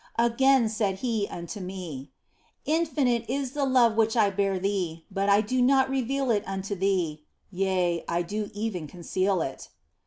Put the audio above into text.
Again He said unto me, " Infinite is the love which I bear thee, but I do not reveal it unto thee yea, I do even conceal it."